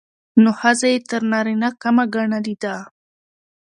نو ښځه يې تر نارينه کمه ګڼلې ده.